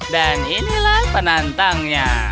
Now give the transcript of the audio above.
dan inilah penantangnya